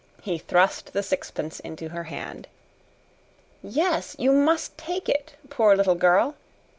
He thrust the sixpence into her hand. "Yes, you must take it, poor little girl!"